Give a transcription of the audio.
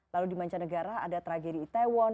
lalu di mancanegara ada tragedi itaewon